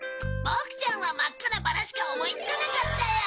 ボクちゃんは真っ赤なバラしか思いつかなかったよ！